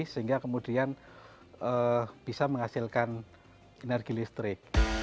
sehingga kemudian bisa menghasilkan energi listrik